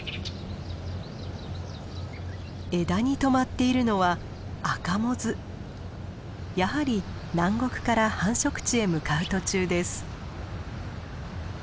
枝にとまっているのはやはり南国から繁殖地へ向かう途中です。